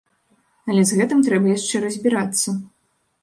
Але з гэтым трэба яшчэ разбірацца.